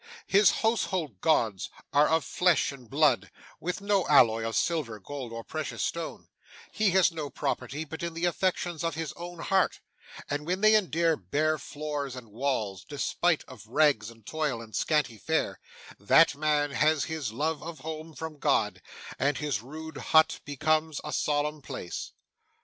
His household gods are of flesh and blood, with no alloy of silver, gold, or precious stone; he has no property but in the affections of his own heart; and when they endear bare floors and walls, despite of rags and toil and scanty fare, that man has his love of home from God, and his rude hut becomes a solemn place.